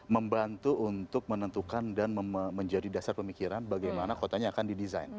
membantu untuk menentukan dan menjadi dasar pemikiran bagaimana kotanya akan didesain